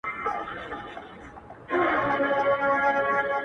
يو ديدن يې دئ وروستى ارمان راپاته-